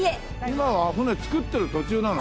今は船作ってる途中なの？